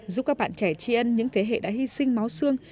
giúp các bạn trẻ tri ân những thế hệ đã hy sinh máu xương